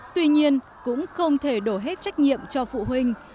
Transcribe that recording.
tuy nhiên cũng không thể đổ hết trách nhiệm cho phụ huynh